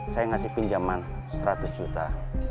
saya ngasih pinjaman seratus juta